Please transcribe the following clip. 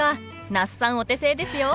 那須さんお手製ですよ。